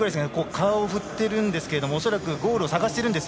顔を振っていますが恐らくゴールを探しているんです。